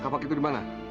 kakak itu dimana